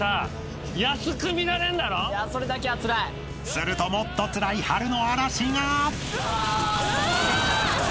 ［するともっとつらい春の嵐が！］